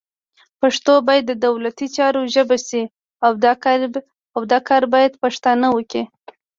پښتو باید د دولتي چارو ژبه شي، او دا کار باید پښتانه وکړي